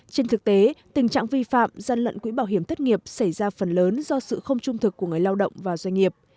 trên thực tế tình trạng vi phạm gian lận quỹ bảo hiểm thất nghiệp xảy ra phần lớn do sự không trung thực của người lao động và doanh nghiệp